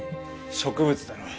植物だろう？